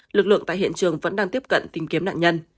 lực lượng tại hiện trường vẫn đang tiếp cận tìm kiếm nạn nhân